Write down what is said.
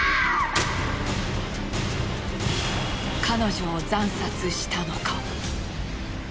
彼女を惨殺したのか？